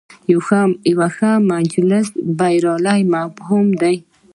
یو ښه مجلس یوه بریالۍ مفاهمه ده.